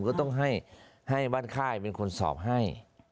ก็ต้องให้บ้านค่ายเป็นคนสอบให้